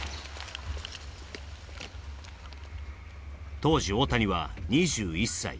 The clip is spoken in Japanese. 当時、大谷は２１歳。